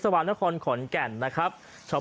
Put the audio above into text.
สมหวังก็ไปตามกันบางคนได้โชคได้โชคได้